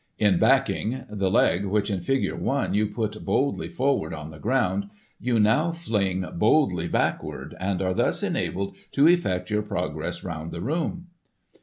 In backing, the leg which in figure one, you put boldly forward on the ground, you now fling boldly backward, and are thus enabled to effect your progress round the room.